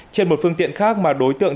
trên một phương tiện khác mà đối tượng